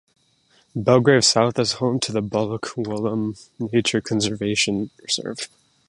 Belgrave South is home to the Baluk Willam Nature Conservation Reserve.